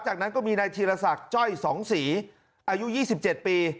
จากนั้นก็มีนายธีรศักดิ์จ้อยสองศรีอายุ๒๗ปี